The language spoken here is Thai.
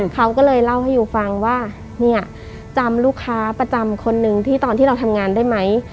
เขาก็เลยเล่าให้ยูฟังว่าเนี่ยจำลูกค้าประจำคนนึงที่ตอนที่เราทำงานได้ไหม